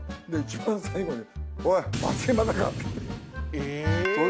一番最後に。